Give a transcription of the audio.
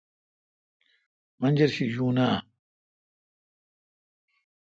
منجرشی یون آں؟